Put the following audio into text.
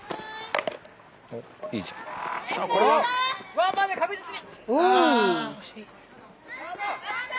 「ワンバンで確実に」